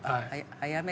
早め？